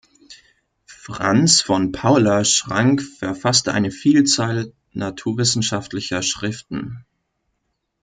Franz von Paula Schrank verfasste eine Vielzahl naturwissenschaftlicher Schriften.